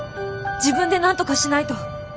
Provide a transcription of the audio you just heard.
自分でなんとかしないと。